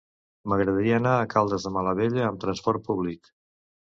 M'agradaria anar a Caldes de Malavella amb trasport públic.